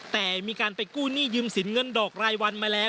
แต่มีการไปกู้หนี้ยืมสินเงินดอกรายวันมาแล้ว